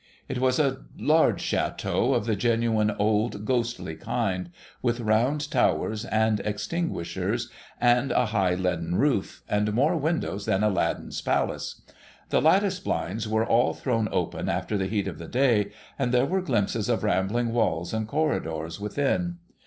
It was a large chateau of the genuine old ghostly kind, with round 8o THE SEVEN POOR TRAVELLERS towers, and extinguishers, and a high leaden roof, and more windows than Aladdin's Palace. The lattice blinds were all thrown open after the heat of the day, and there were glimpses of rambling walls and corridors within.